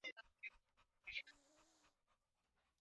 Wanyama wasilishwe mizoga au viungo vya ndani vya kondoo